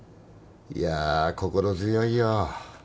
いやー心強いよ。